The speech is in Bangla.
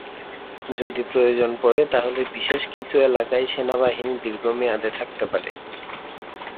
যদি প্রয়োজন পড়ে তাহলে বিশেষ কিছু এলাকায় সেনাবাহিনী দীর্ঘমেয়াদে থাকতে পারে।